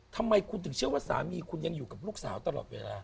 ทำไมคุณถึงเชื่อว่าสามีคุณยังอยู่กับลูกสาวตลอดเวลา